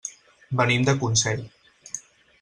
Venim de Consell.